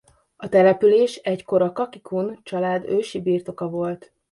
A település egykor a Kaki Kun család ősi birtoka volt.